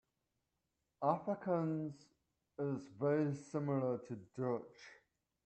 Afrikaans is very similar to Dutch.